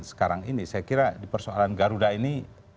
sekarang ini saya kira di persoalan garuda ini